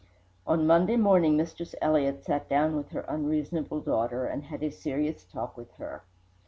On Monday morning Mistress Elliott sat down with her unreasonable daughter and had a serious talk with her.